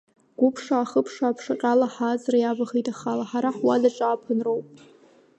Гәыԥшаа-хыԥшаа аԥшаҟьала, ҳааҵра иавахеит ахала, ҳара ҳуадаҿ ааԥынроуп.